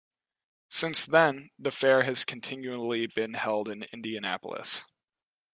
Since then, the fair has continually been held in Indianapolis.